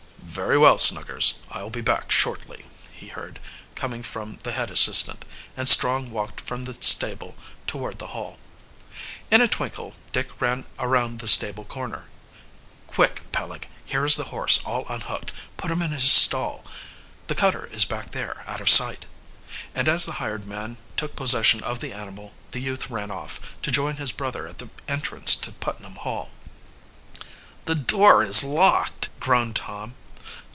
"Very well, Snuggers, I'll be back shortly," he heard, coming from the head assistant, and Strong walked from the stable toward the Hall. In a twinkle Dick ran around the stable corner. "Quick, Peleg, here is the horse, all unhooked. Put him in his stall. The cutter is back there, out of sight," and as the hired man took possession of the animal, the youth ran off, to join his brother at the entrance to Putnam Hall. "The door is locked!" groaned Tom.